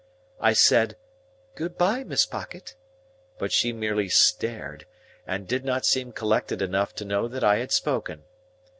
I said "Good bye, Miss Pocket;" but she merely stared, and did not seem collected enough to know that I had spoken.